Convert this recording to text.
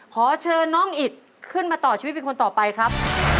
ขอเชิญน้องอิตขึ้นมาต่อชีวิตเป็นคนต่อไปครับ